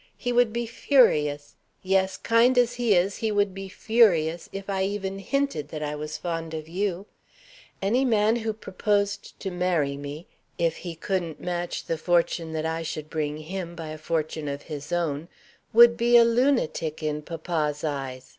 He would be furious yes, kind as he is, he would be furious if I even hinted that I was fond of you. Any man who proposed to marry me if he couldn't match the fortune that I should bring him by a fortune of his own would be a lunatic in papa's eyes.